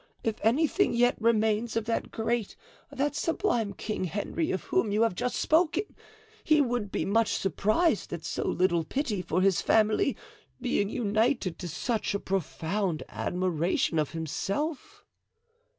If anything yet remains of that great, that sublime king, Henry, of whom you have just spoken, he would be much surprised at so little pity for his family being united to such a profound admiration of himself."